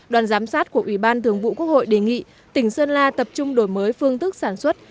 đoàn giám sát của ủy ban thường vụ quốc hội đề nghị tỉnh sơn la tập trung đổi mới phương thức sản xuất